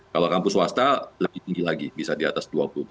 kalau kampus swasta lebih tinggi lagi bisa di atas dua puluh empat